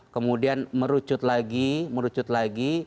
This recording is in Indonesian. kemudian merucut lagi merucut lagi